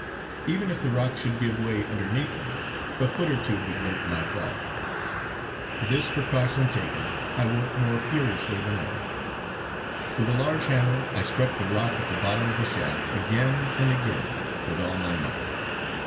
Even if the rock should give way underneath me, a foot or two would limit my fall. This precaution taken, I worked more furiously than ever. With a large hammer I struck the rock at the bottom of the shaft, again and again, with all my might.